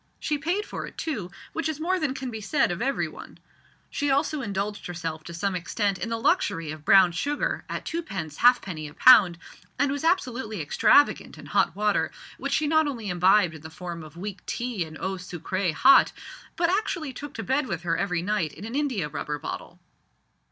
She paid for it, too, which is more than can be said of every one. She also indulged herself to some extent in the luxury of brown sugar at twopence halfpenny a pound, and was absolutely extravagant in hot water, which she not only imbibed in the form of weak tea and eau sucree hot, but actually took to bed with her every night in an india rubber bottle.